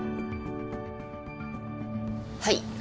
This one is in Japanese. はい。